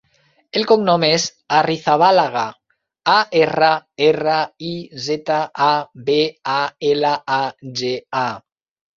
El cognom és Arrizabalaga: a, erra, erra, i, zeta, a, be, a, ela, a, ge, a.